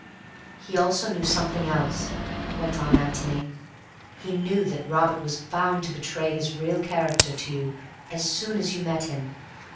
"He also knew something else," went on Antony. "He knew that Robert was bound to betray his real character to you as soon as you met him.